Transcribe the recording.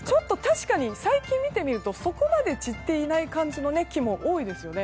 確かに、最近見てみるとそこまで散っていない感じの木も多いですよね。